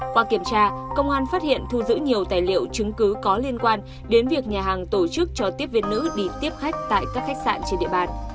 qua kiểm tra công an phát hiện thu giữ nhiều tài liệu chứng cứ có liên quan đến việc nhà hàng tổ chức cho tiếp viên nữ đi tiếp khách tại các khách sạn trên địa bàn